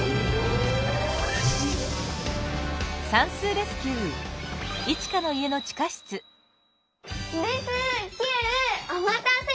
レスキューおまたせ！